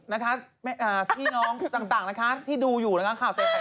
นะคะพี่น้องต่างนะคะที่ดูอยู่นะคะข่าวใส่ไข่